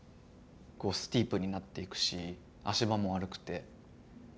こうスティープになっていくし足場も悪くて。